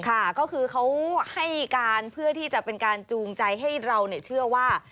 ค่ะก็คือเขาให้การเพื่อที่จะเป็นการจูงใจให้เราเชื่อว่า